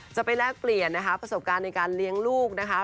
แลกเปลี่ยนนะคะประสบการณ์ในการเลี้ยงลูกนะคะ